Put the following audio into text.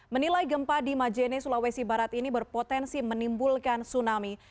menilai gempa di majene sulawesi barat ini berpotensi menimbulkan tsunami